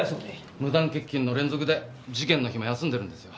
無断欠勤の連続で事件の日も休んでるんですよ。